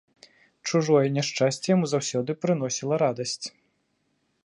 Чужое няшчасце яму заўсёды прыносіла радасць.